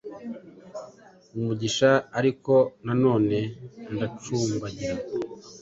umugisha ariko nanone ndacumbagira.